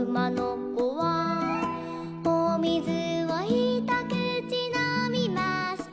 「おみずをひとくちのみました」